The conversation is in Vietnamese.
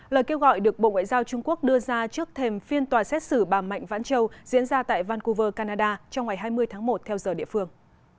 lời kêu gọi được bộ ngoại giao trung quốc đưa ra trước thềm phiên tòa xét xử bà mạnh vãn châu diễn ra tại vancouver canada trong ngày hai mươi tháng một theo giờ địa phương